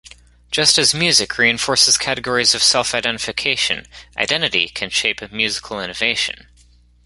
Just as music reinforces categories of self-identification, identity can shape musical innovation.